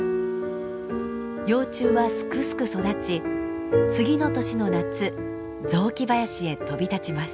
幼虫はすくすく育ち次の年の夏雑木林へ飛び立ちます。